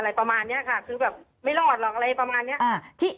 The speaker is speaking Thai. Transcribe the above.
ประมาณนี้ค่ะคือแบบไม่รอดหรอกอะไรประมาณนี้